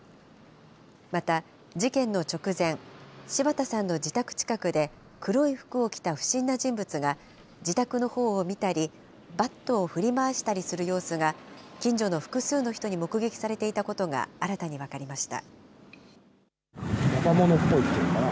また、事件の直前、柴田さんの自宅近くで黒い服を着た不審な人物が、自宅のほうを見たり、バットを振り回したりする様子が近所の複数の人に目撃されていたことが新たに分かりました。